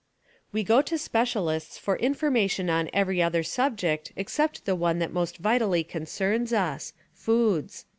We go to speciaHsts for information on every other subject except the one that most vitally concerns us — foods.